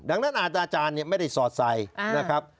ดังนั้นอาจารย์ไม่ได้สอดใส่นะครับ